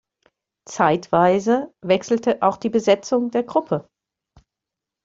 Zeitweise wechselte auch die Besetzung der Gruppe.